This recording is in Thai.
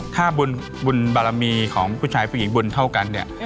ถ้าบุญบารมีของผู้ชายผู้หญิงบุญเท่ากันเนี่ย